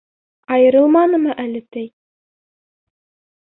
Айырылманымы әле, ти.